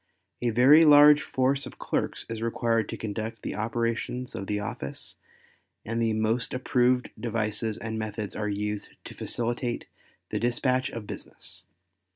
A very large force of clerks is required to conduct the operations of the office and the most approved devices and methods are used to facilitate the dispatch of business.